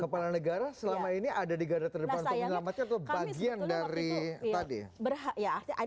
kepala negara selama ini ada di terdepan untuk menyelamatkan atau bagian dari tadi